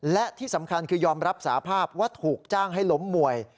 และที่สำคัญคือยอมรับสาภาพว่าถูกจ้างให้ล้มมวย